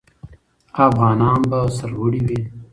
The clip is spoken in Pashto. افغانان به سرلوړي وي.